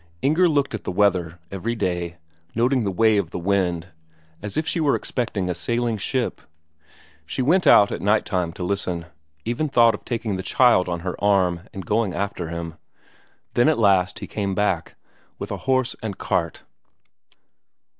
Inger looked at the weather every day, noting the way of the wind, as if she were expecting a sailing ship; she went out at nighttime to listen; even thought of taking the child on her arm and going after him. Then at last he came back, with a horse and cart.